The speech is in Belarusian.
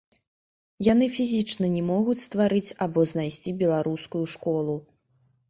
Яны фізічна не могуць стварыць або знайсці беларускую школу.